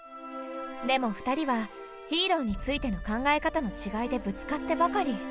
でも２人はヒーローについての考え方の違いでぶつかってばかり。